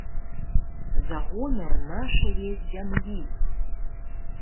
За гонар нашае зямлі!